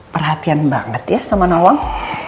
perhatian banget ya sama nawang